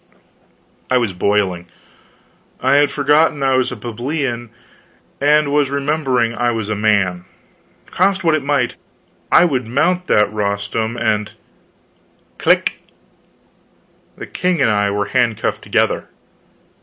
I was boiling. I had forgotten I was a plebeian, I was remembering I was a man. Cost what it might, I would mount that rostrum and Click! the king and I were handcuffed together!